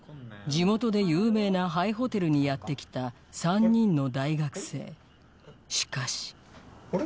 地元で有名な廃ホテルにやってきた３人の大学生しかしあれ？